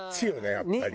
やっぱりね。